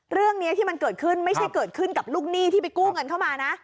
เรื่องนี้ที่มันเกิดขึ้นไม่ใช่เกิดขึ้นกับลูกหนี้ที่ไปกู้เงินเข้ามานะ